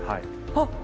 あっ！